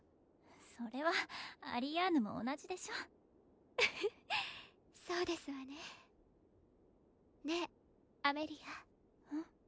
それはアリアーヌも同じでしょフフッそうですわねねえアメリアうん？